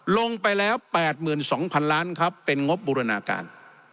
ลงไปแล้ว๘๒๐๐๐ล้านครับเป็นงบบูรณาการ